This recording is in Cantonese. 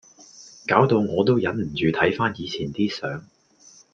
搞到我都忍唔住睇番以前啲相⠀